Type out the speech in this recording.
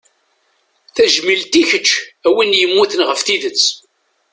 Tajmilt i keč a win yemmuten ɣef tidet.